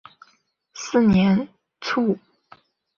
四年卒。